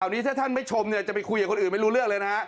อันนี้ถ้าท่านไม่ชมเนี่ยจะไปคุยกับคนอื่นไม่รู้เรื่องเลยนะฮะ